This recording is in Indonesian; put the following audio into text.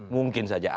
mungkin saja ada